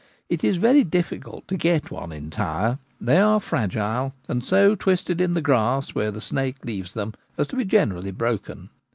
It is very difficult to get one entire ; they are fragile, and so twisted in the grass where the snake leaves them as to be generally broken.